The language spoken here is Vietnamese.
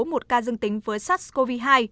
một ca dương tính với sars cov hai